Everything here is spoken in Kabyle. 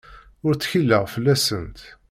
Ur ttkileɣ fell-asent.